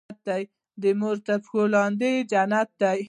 د مور تر پښو لاندي جنت دی.